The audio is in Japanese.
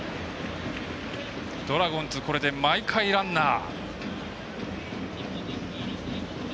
ドラゴンズ、これで毎回ランナー。